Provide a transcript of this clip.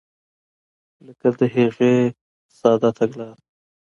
لکه د هغې ساده تګلاره.